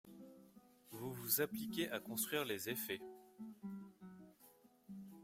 Vous vous appliquiez à construire les effets.